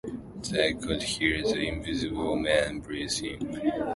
They could hear the Invisible Man breathing.